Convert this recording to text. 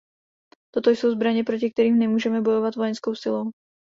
To jsou zbraně, proti kterým nemůžeme bojovat vojenskou silou.